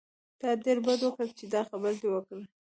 تا ډېر بد وکړل چې دا خبره دې وکړه.